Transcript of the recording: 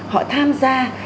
họ tham gia